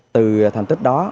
từ thành tích đó